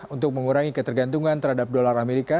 untuk mengurangi ketergantungan terhadap dolar amerika